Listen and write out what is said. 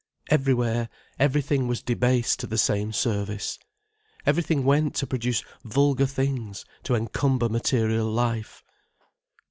Everywhere, everything was debased to the same service. Everything went to produce vulgar things, to encumber material life.